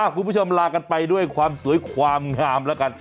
คุณผู้ชมลากันไปด้วยความสวยความงาม